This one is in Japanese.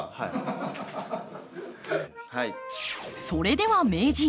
それでは名人！